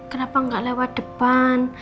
kenapa nggak lewat depan